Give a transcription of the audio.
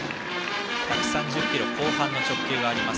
１３０キロ後半の直球があります。